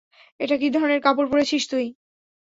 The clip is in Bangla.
এটা কি ধরনের কাপড় পরেছিস তুই?